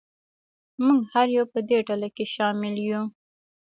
موږ هر یو په دې ډله کې شامل یو.